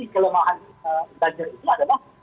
kelemahan ganggar itu adalah